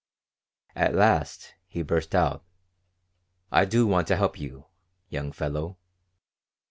At last he burst out: "I do want to help you, young fellow.